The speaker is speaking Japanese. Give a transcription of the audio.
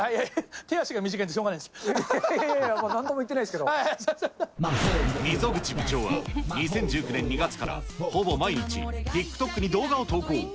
手足が短いんで、しょうがないやいやいや、溝口部長は、２０１９年２月からほぼ毎日、ＴｉｋＴｏｋに動画を投稿。